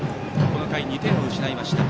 この回２点を失いました。